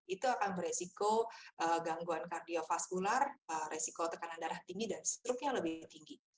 itu akan beresiko gangguan kardiofaskular resiko tekanan darah tinggi dan struknya lebih tinggi